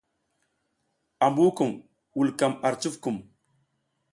Ambu kum vulkam ar cufkum.